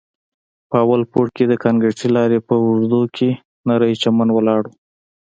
په اول پوړ کښې د کانکريټي لارې په اوږدو کښې نرى چمن ولاړ و.